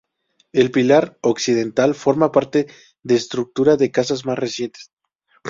El pilar occidental forma parte de estructura de casas más recientes.